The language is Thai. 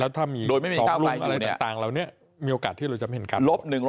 แล้วถ้ามีสองรุ่งอะไรต่างแล้วเนี่ยมีโอกาสที่เราจะเห็นกัน